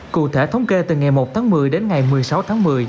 cụ thể thống kê từ ngày một tháng một mươi đến ngày một mươi sáu tháng một mươi